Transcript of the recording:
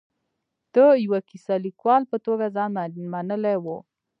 د یوه کیسه لیکوال په توګه ځان منلی و.